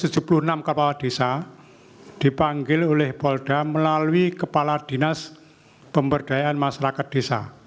jadi satu ratus tujuh puluh enam kepala desa dipanggil oleh polda melalui kepala dinas pemberdayaan masyarakat desa